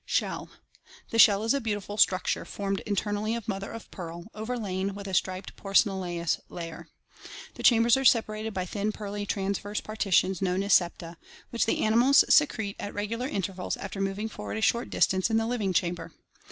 Shell. — The shell is a beautiful structure formed internally of mother of pearl, overlain with a striped porcelanous layer. The chambers are separated by thin pearly transverse partitions known as septa, which the animals secrete at regular intervals after mov ing forward a short distance in the living chamber.